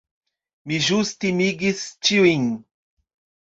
Mi ĵus timigis ĉiujn.